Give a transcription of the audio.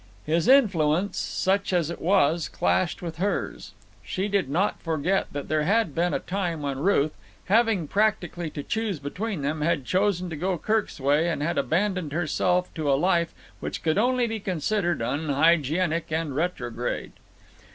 His influence, such as it was, clashed with hers. She did not forget that there had been a time when Ruth, having practically to choose between them, had chosen to go Kirk's way and had abandoned herself to a life which could only be considered unhygienic and retrograde.